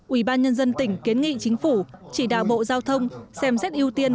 ủy ban nhân dân tỉnh kiến nghị chính phủ chỉ đạo bộ giao thông xem xét ưu tiên